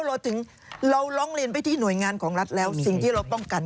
เราร้องเรียนไปที่หน่วยงานของรัฐแล้วสิ่งที่เราก็ต้องการ